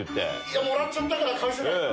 もらっちゃったから返せない。